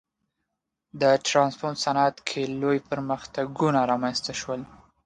د ټرانسپورت صنعت کې لوی پرمختګونه رامنځته شول.